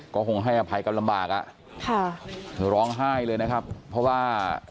ก็คงให้อภัยกันลำบากอ่ะค่ะเธอร้องไห้เลยนะครับเพราะว่า